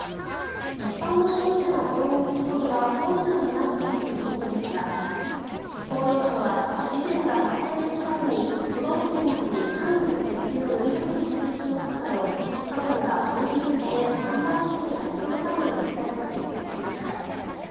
一般の消費者が購入することは困難になっているということですが厚労省は事件が発生する度に都道府県などに管理の徹底を呼びかける通知を出すなど過去には小売り現場で販売規制が行き届かない実態も指摘されていました。